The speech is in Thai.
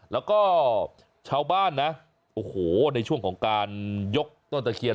แล้วก็ชาวบ้านนะโอ้โหในช่วงของการยกต้นตะเคียน